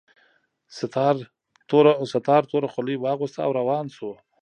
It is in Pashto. ستار توره خولۍ واغوسته او روان شو